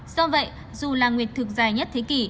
do vậy dù là nguyệt thực dài nhất thế kỷ